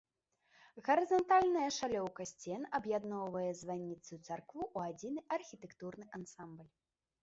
Гарызантальная шалёўка сцен аб'ядноўвае званіцу і царкву ў адзіны архітэктурны ансамбль.